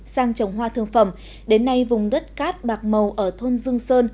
sang trồng hoa thương phẩm đến nay vùng đất cát bạc màu ở thôn dương sơn